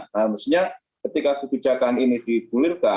nah maksudnya ketika kebijakan ini dibulir